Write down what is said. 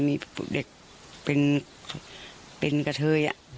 มีเด็กเป็นกะเทย